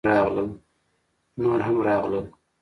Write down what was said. _نور هم راغلل!